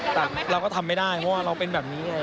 แต่เราก็ทำไม่ได้เพราะว่าเราเป็นแบบนี้เลย